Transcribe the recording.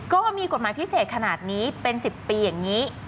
ก็มีกฎหมายพิเศษขนาดนี้เป็น๑๐ปีอย่างนี้